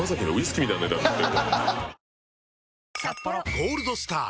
「ゴールドスター」！